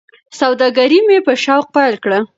سوداګري مې په شوق پیل کړه.